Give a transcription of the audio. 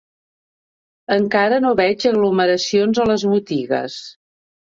Encara no veig aglomeracions a les botigues.